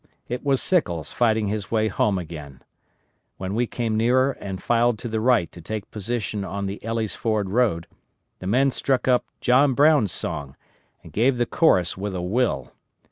It was Sickles fighting his way home again. When we came nearer and filed to the right to take position on the Elley's Ford road, the men struck up John Brown's song, and gave the chorus with a will.